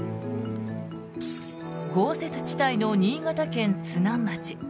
豪雪地帯の新潟県津南町。